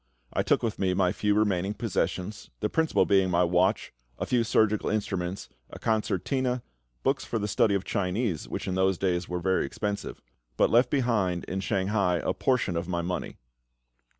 I took with me my few remaining possessions, the principal being my watch, a few surgical instruments, a concertina, books for the study of Chinese, which in those days were very expensive; but left behind in Shanghai a portion of my money.